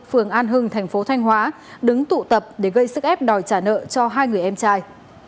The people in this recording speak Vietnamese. phường an hưng thành phố thanh hóa đứng tụ tập để gây sức ép đòi trả nợ cho hai người em trai